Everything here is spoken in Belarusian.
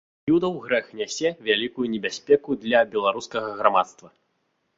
Юдаў грэх нясе вялікую небяспеку для беларускага грамадства.